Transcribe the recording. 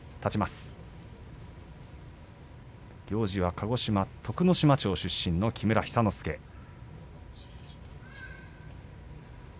行司は鹿児島徳之島町出身の寿之介です。